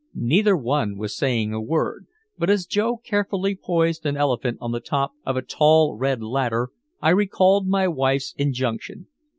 Neither one was saying a word, but as Joe carefully poised an elephant on the top of a tall red ladder, I recalled my wife's injunction.